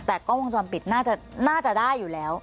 แต่กล้องวงจรปิดน่าจะได้อยู่แล้ว